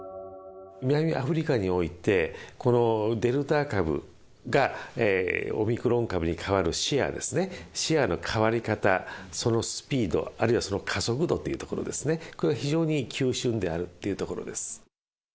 南アフリカにおいて、このデルタ株がオミクロン株に変わるシェアですね、シェアの変わり方、そのスピード、あるいはその加速度っていうところですね、これは非常に急しゅんであるっていうところです。